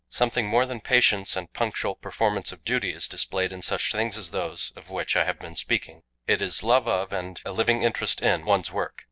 Something more than patience and punctual performance of duty is displayed in such things as those of which I have been speaking; it is love of, and a living interest in, one's work.